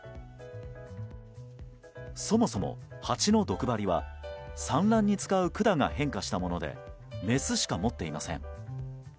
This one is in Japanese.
そもそも、ハチの毒針は産卵に使う管が変化したものでメスしか持っていません。